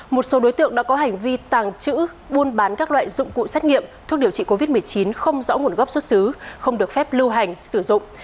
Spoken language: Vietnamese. một số đối tượng đã có hành vi tàng trữ buôn bán các loại dụng cụ xét nghiệm thuốc điều trị covid một mươi chín không rõ nguồn gốc xuất xứ không được phép lưu hành sử dụng